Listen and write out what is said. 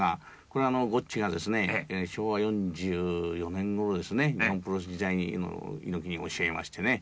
これはゴッチが昭和４４年ごろ日本プロレス時代に猪木に教えましてね。